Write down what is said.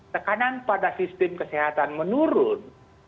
tekanan pada sistem kesehatan menurun